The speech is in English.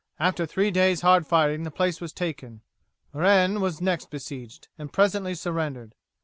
After three days' hard fighting the place was taken. Rennes was next besieged, and presently surrendered.